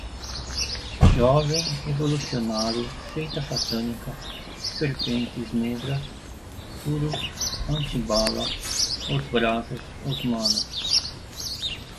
jovem, revolucionário, seita satânica, serpentes negras, puro, antibala, os brasas, os manos